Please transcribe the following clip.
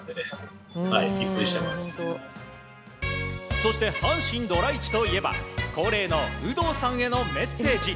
そして、阪神ドラ１といえば恒例の有働さんへのメッセージ。